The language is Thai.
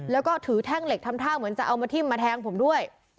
แล้วก็ถือแท่งเหล็กทำท่าเหมือนจะเอามาทิ้มมาแทงผมด้วย